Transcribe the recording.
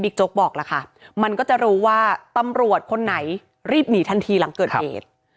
โจ๊กบอกล่ะค่ะมันก็จะรู้ว่าตำรวจคนไหนรีบหนีทันทีหลังเกิดเหตุ